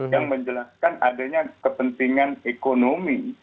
yang menjelaskan adanya kepentingan ekonomi